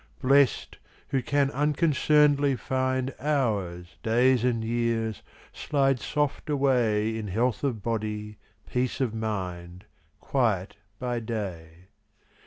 Blest, who can unconcern'dly find Hours, days, and years, slide soft away In health of body, peace of mind, Quiet by day.